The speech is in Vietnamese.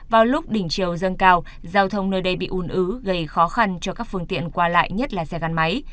vào lúc đỉnh chiều dâng cao giao thông nơi đây bị ùn ứ gây khó khăn cho các phương tiện qua lại nhất là xe gắn máy